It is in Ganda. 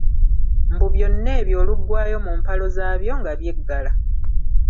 Mbu byonna ebyo oluggwaayo mu mpalo zaabyo nga byeggala.